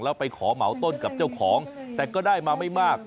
แล้วไปขอเหมาต้นกับเจ้าของแต่ก็ได้มาไม่มาก